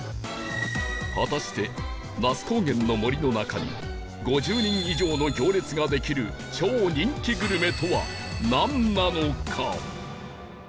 果たして那須高原の森の中に５０人以上の行列ができる超人気グルメとはなんなのか？